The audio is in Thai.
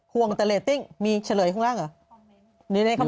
ห่วงแต่เรตติ้งมีเฉลยข้างล่างเหรอ